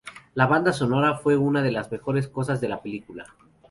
La banda sonora fue una de las mejores cosas de la película.